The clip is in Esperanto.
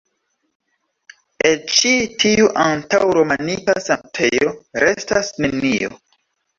El ĉi tiu antaŭ-romanika sanktejo, restas nenio.